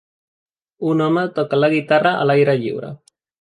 Un home toca la guitarra a l'aire lliure.